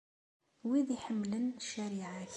Wid iḥemmlen ccariɛa-k.